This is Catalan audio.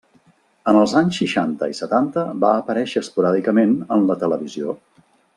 En els anys seixanta i setanta va aparèixer esporàdicament en la televisió.